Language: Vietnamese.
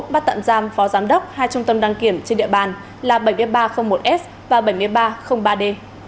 bắt tạm giam phó giám đốc hai trung tâm đăng kiểm trên địa bàn là bảy nghìn ba trăm linh một s và bảy nghìn ba trăm linh ba d